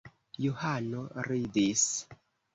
Johano ridis.